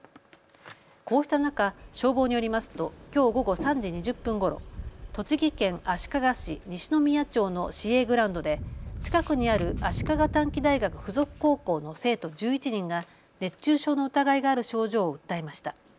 こうした中、消防によりますときょう午後３時２０分ごろ、栃木県足利市西宮町の市営グラウンドで近くにある足利短期大学附属高校の生徒１１人が熱中症の疑いがある症状を訴えました。